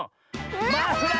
マフラー！